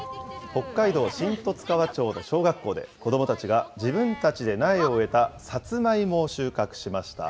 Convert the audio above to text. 北海道新十津川町の小学校で、子どもたちが自分たちで苗を植えたさつまいもを収穫しました。